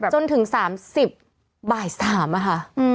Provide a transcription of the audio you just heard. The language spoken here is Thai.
จนถึง๓๐อาทิตย์บ่าย๓อ่ะค่ะ